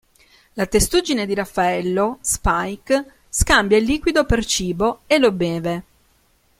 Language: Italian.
La testuggine di Raffaello, Spike, scambia il liquido per cibo e lo beve.